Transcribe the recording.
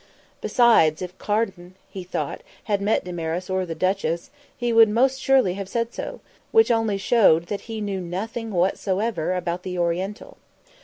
Besides, if Carden, he thought, had met Damaris or the duchess, he would most surely have said so which only showed that he knew nothing whatsoever about the Oriental.